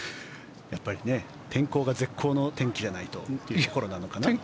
天候が絶好の天気じゃないとというところなのかな。